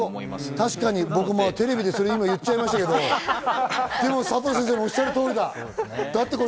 確かに僕もテレビで今、言っちゃいましたけれども佐藤先生のおっしゃる通りだ。